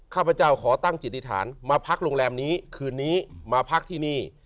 ข้าพเจ้าขอตั้งจิตฐานมาพักหลวงแรมนี้มาพักที่นี่